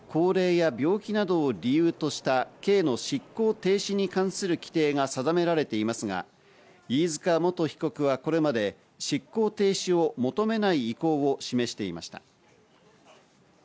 法律では高齢や病気などを理由とした刑の執行停止に関する規定が定められていますが、飯塚元被告はこれまで、執行停止を求めない意向を示していました。